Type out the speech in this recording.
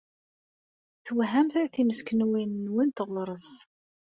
Twehhamt timeskenwin-nwent ɣur-s.